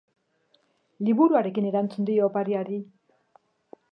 Liburuarekin erantzun dio opariari.